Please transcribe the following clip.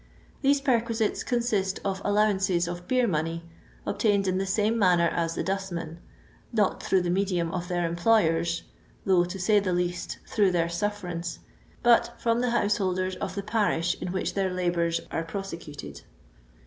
These perqui sites consist of allowances of beer money, obtained in the same manner as the dustmen — not through the medium of their employers (though, to say the least, through their sulFerance), but from the householders of the parish in which their labours are prosecuted.